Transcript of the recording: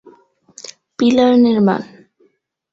pillar নির্মান